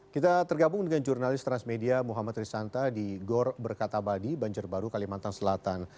kita tergabung dengan jurnalis transmedia muhammad risanta di gor berkatabadi banjarbaru kalimantan selatan